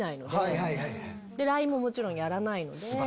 ＬＩＮＥももちろんやらないので。